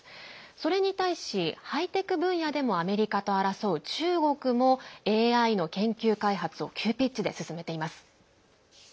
それに対しハイテク分野でもアメリカと争う中国もＡＩの研究開発を急ピッチで進めています。